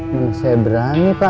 menurut saya berani pak